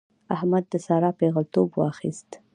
احمد د سارا پېغلتوب واخيست.